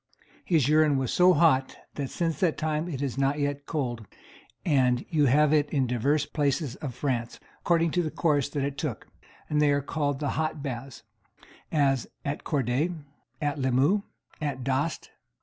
His urine was so hot that since that time it is not yet cold, and you have of it in divers places of France, according to the course that it took, and they are called the hot baths, as At Coderets. At Limous. At Dast.